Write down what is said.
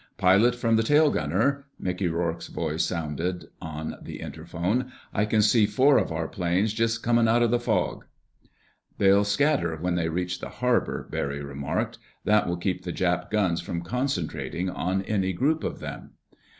"Pilot from tail gunner," Mickey Rourke's voice sounded on the interphone. "I can see four of our planes jist comin' out of the fog." "They'll scatter when they reach the harbor," Barry remarked. "That will keep the Jap guns from concentrating on any group of them."